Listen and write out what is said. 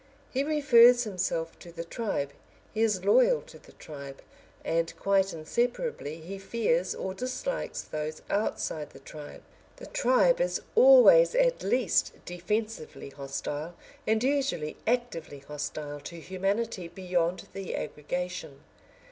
He refers himself to the tribe; he is loyal to the tribe, and quite inseparably he fears or dislikes those others outside the tribe. The tribe is always at least defensively hostile and usually actively hostile to humanity beyond the aggregation.